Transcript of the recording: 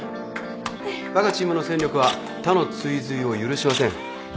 わがチームの戦力は他の追随を許しません。